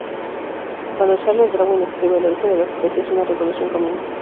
Cuando Charles Darwin escribe "El origen de las especies" una revolución comienza.